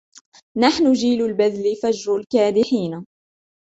نحن جيل البذل فجر الكادحين